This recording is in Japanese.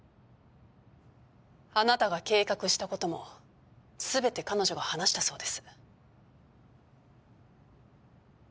あなたが計画したことも全て彼女が話したそうです。